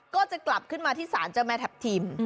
ก็จะกลับขึ้นมาที่ศาลเจ้าแม่ทัพทิม